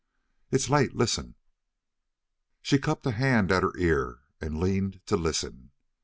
"It's late. Listen!" She cupped a hand at her ear and leaned to listen.